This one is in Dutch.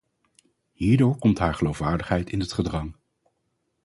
Hierdoor komt haar geloofwaardigheid in het gedrang.